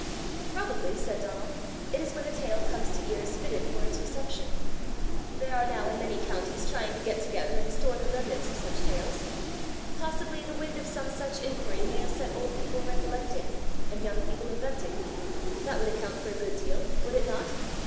"Probably," said Donal, "it is when the tale comes to ears fitted for its reception. They are now in many counties trying to get together and store the remnants of such tales: possibly the wind of some such inquiry may have set old people recollecting, and young people inventing. That would account for a good deal would it not?"